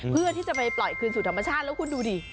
เพื่อที่จะไปปล่อยคืนสู่ธรรมชาติแล้วคุณดูดิ